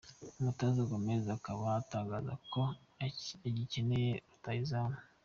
Umutoza Gomez akaba atangaza ko agikeneye rutahizamu.